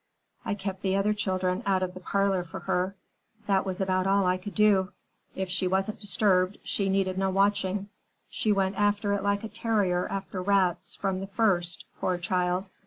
I kept the other children out of the parlor for her. That was about all I could do. If she wasn't disturbed, she needed no watching. She went after it like a terrier after rats from the first, poor child.